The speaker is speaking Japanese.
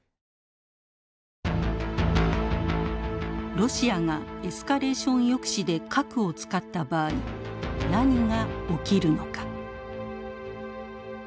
ロシアがエスカレーション抑止で核を使った場合何が起きるのか。